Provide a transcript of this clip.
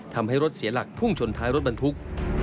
ทำให้รถเสียหลักพุ่งชนท้ายรถบรรทุก